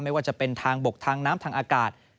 ไม่ว่าจะเป็นทางบกทางน้ำทางอากาศ